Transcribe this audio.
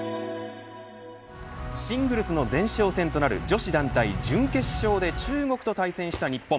シングルスの前哨戦となる女子団体準決勝で中国と対戦した日本。